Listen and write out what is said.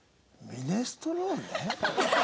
ミネストローネを。